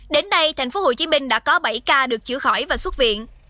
đến nay tp hcm đã có bảy ca được chữa khỏi và xuất viện